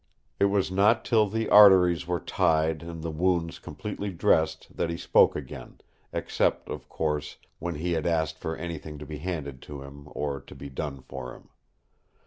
It was not till the arteries were tied and the wounds completely dressed that he spoke again, except, of course, when he had asked for anything to be handed to him or to be done for him.